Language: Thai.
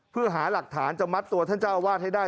เพื่อหาหลักฐานจะมัดตัวท่านเจ้าวาดให้ได้